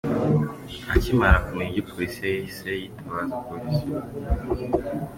Akimara kumenya ibyo byose yahise yitabaza Polisi.